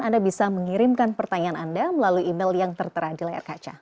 anda bisa mengirimkan pertanyaan anda melalui email yang tertera di layar kaca